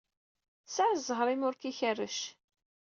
Tesɛiḍ zzheṛ imi ur k-ikerrec.